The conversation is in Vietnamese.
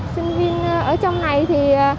sinh viên ở trong này thì